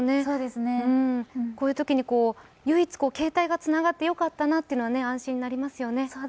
こういうときに唯一、携帯がつながってよかったなというのは安心になりますよね。